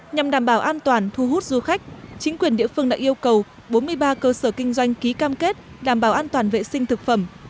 nhằm đảm bảo an toàn thu hút du khách chính quyền địa phương đã yêu cầu bốn mươi ba cơ sở kinh doanh ký cam kết đảm bảo an toàn vệ sinh thực phẩm